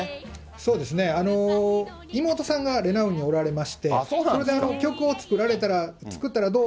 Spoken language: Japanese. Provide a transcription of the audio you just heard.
そうですね、妹さんがレナウンにおられまして、それで曲を作ったらどう？